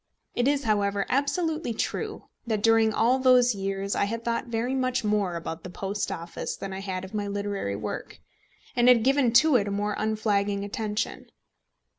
It is however absolutely true that during all those years I had thought very much more about the Post Office than I had of my literary work, and had given to it a more unflagging attention.